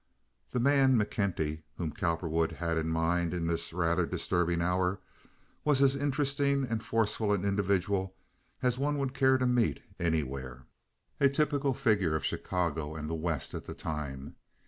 The man, McKenty, whom Cowperwood had in mind in this rather disturbing hour, was as interesting and forceful an individual as one would care to meet anywhere, a typical figure of Chicago and the West at the time.